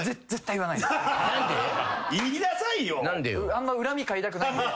あんま恨み買いたくないんで。